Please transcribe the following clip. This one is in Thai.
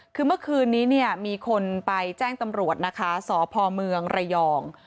คือเมื่อคืนนี้เนี่ยมีคนไปแจ้งตำรวจนะคะสพเมืองระยอง